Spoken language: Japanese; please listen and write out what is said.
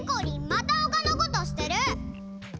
またほかのことしてる！